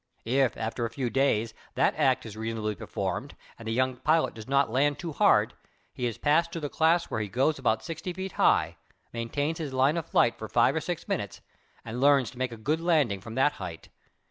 If, after a few days, that act is reasonably performed and the young pilot does not land too hard, he is passed to the class where he goes about sixty feet high, maintains his line of flight for five or six minutes and learns to make a good landing from that height.